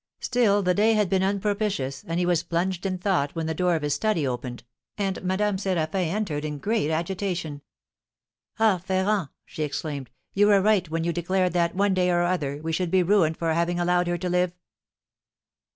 Still, the day had been unpropitious, and he was plunged in thought when the door of his study opened, and Madame Séraphin entered in great agitation. "Ah, Ferrand," she exclaimed, "you were right when you declared that, one day or other, we should be ruined for having allowed her to live!"